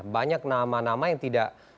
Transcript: banyak nama nama yang tidak